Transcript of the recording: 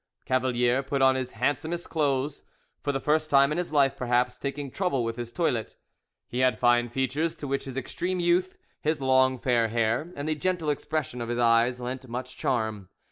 Cavalier put on his handsomest clothes, for the first time in his life perhaps taking trouble with his toilet. He had fine features, to which his extreme youth, his long fair hair, and the gentle expression of his eyes lent much charm.